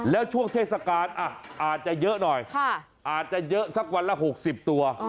แล้วช่วงเทศกาลอาจจะเยอะหน่อยอาจจะเยอะสักวันละ๖๐ตัว